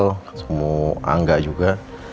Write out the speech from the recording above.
ketemu angga juga